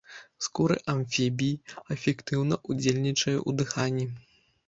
Скуры амфібій эфектыўна ўдзельнічае у дыханні.